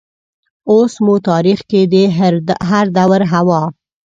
اوس مو تاریخ کې د هردور حوا